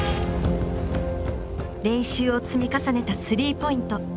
練習を積み重ねた３ポイント。